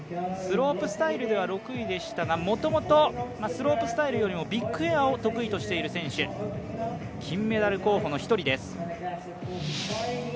スロープスタイルでは６位でしたがもともとスロープスタイルよりもビッグエアを得意としている選手金メダル候補の１人です。